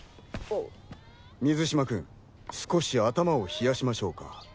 水嶋君少し頭を冷やしましょうか。